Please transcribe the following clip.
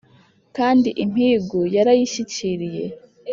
kandi impigu yarayishyikiriye